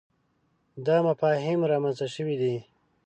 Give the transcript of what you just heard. دا مفاهیم رامنځته شوي دي.